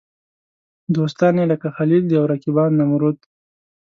دوستان یې لکه خلیل دي او رقیبان نمرود.